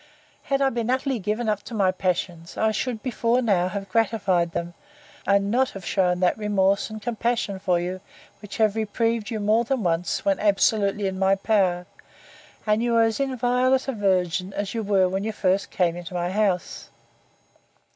Had I been utterly given up to my passions, I should before now have gratified them, and not have shewn that remorse and compassion for you, which have reprieved you, more than once, when absolutely in my power; and you are as inviolate a virgin as you were when you came into my house.